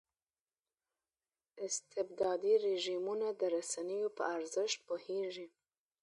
استبدادي رژیمونه د رسنیو په ارزښت پوهېږي.